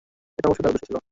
এটা অবশ্য তার উদ্দেশ্য ছিল।